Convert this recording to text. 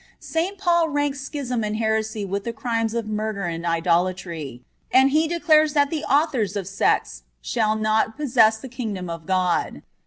St. Paul ranks schism and heresy with the crimes of murder and idolatry, and he declares that the authors of sects shall not possess the Kingdom of God.